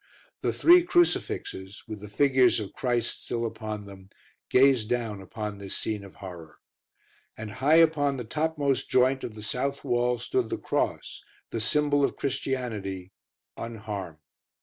The three crucifixes, with the figures of Christ still upon them, gazed down upon this scene of horror. And high upon the topmost joint of the south wall stood the cross, the symbol of Christianity unharmed.